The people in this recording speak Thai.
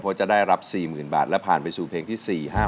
เพราะจะได้รับ๔๐๐๐บาทและผ่านไปสู่เพลงที่๔๕